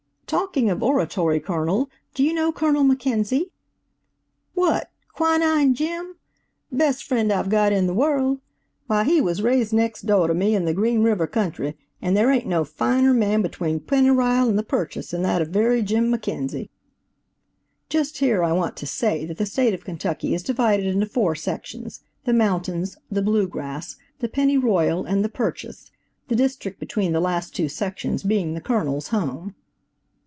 "Talking of oratory, Colonel, do you know Colonel McKenzie?" "What, Quinine Jim? Best friend I've got in the world. Why, he was raised next do' to me in the Green River country, and there ain't no finer man between Pennyrile and the Purchase than that very Jim McKenzie." Just here I want to say that the State of Kentucky is divided into four sections–the "Mountains," the "Bluegrass," the "Pennyroyal" and the "Purchase," the district between the last two sections being the Colonel's home.